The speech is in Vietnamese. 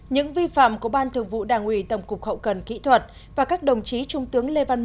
những vi phạm của ban thường vụ đảng ủy tổng cục hậu cần kỹ thuật và các đồng chí trung tướng lê văn